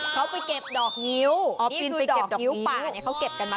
เขาไปเก็บดอกงิ้วนี่คือดอกงิ้วป่าเนี่ยเขาเก็บกันมา